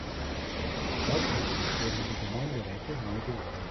Gleichzeitig wurden die Gemeinderäte neu gewählt.